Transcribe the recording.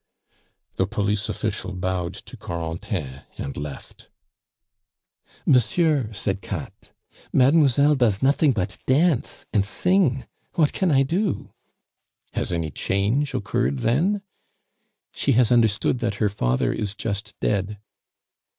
The police official bowed to Corentin and left. "Monsieur," said Katt. "Mademoiselle does nothing but dance and sing. What can I do?" "Has any change occurred then?" "She has understood that her father is just dead."